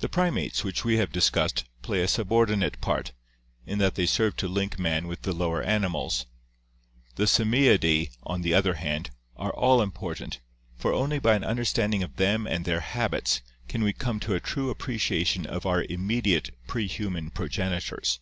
The primates which we have dis cussed play a subordinate part, in that they serve to link man with the lower animals; the Simiidae, on the other hand, are all impor tant, for only by an understanding of them and their habits can we come to a true appreciation of our immediate prehuman progeni tors.